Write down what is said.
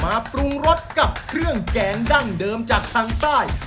ปรุงรสกับเครื่องแกงดั้งเดิมจากทางใต้